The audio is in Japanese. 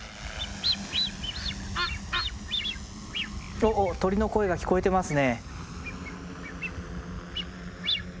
おおっ鳥の声が聞こえてますね。